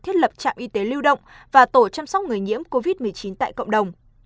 thiết lập trạm y tế lưu động và tổ chăm sóc người nhiễm covid một mươi chín tại cộng đồng